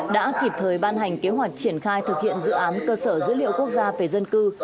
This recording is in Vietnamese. đã kịp thời ban hành kế hoạch triển khai thực hiện dự án cơ sở dữ liệu quốc gia về dân cư